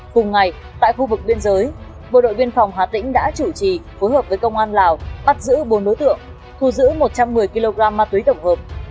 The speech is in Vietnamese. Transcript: cùng ngày tại khu vực biên giới bộ đội biên phòng hà tĩnh đã chủ trì phối hợp với công an lào bắt giữ bốn đối tượng thu giữ một trăm một mươi kg ma túy tổng hợp